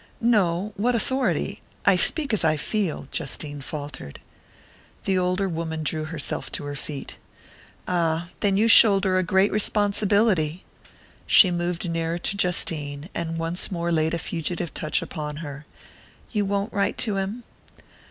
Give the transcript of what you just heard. "No what authority? I speak as I feel," Justine faltered. The older woman drew herself to her feet. "Ah then you shoulder a great responsibility!" She moved nearer to Justine, and once more laid a fugitive touch upon her. "You won't write to him?"